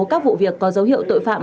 các vụ việc có dấu hiệu tội phạm